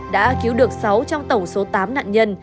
đã cứu được sáu trong tổng số tám nạn nhân